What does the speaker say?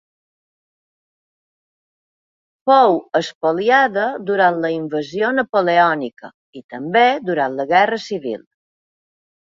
Fou espoliada durant la invasió napoleònica i també durant la Guerra Civil.